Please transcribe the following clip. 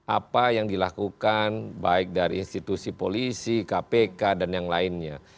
apa yang dilakukan baik dari institusi polisi kpk dan yang lainnya